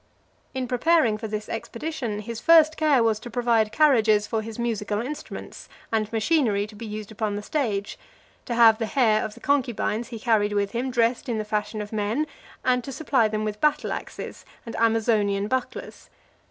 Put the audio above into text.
XLIV. In preparing for this expedition, his first care was to provide carriages for his musical instruments and machinery to be used upon the stage; to have the hair of the concubines he carried with him dressed in the fashion of men; and to supply them with battle axes, and Amazonian bucklers.